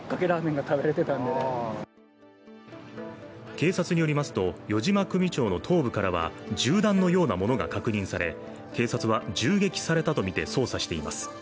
警察によりますと、余嶋組長の頭部からは銃弾のようなものが確認され警察は銃撃されたとみて捜査しています。